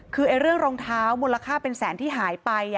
คือเรื่องรองเท้ามูลค่าเป็นแสนที่หายไป